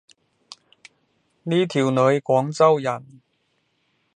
呢條女廣州人